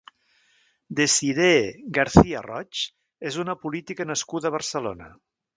Dessirée García Roig és una política nascuda a Barcelona.